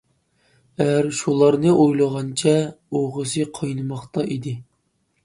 ئەر شۇلارنى ئويلىغانچە ئوغىسى قاينىماقتا ئىدى.